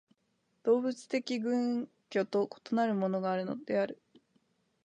動物的群居と異なるものがあるのである。